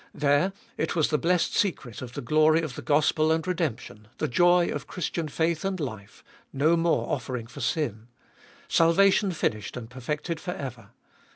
There it was the blessed secret of the glory of the gospel and redemption, the joy of Christian faith and life — no more offering for sin : salva tion finished and perfected for ever.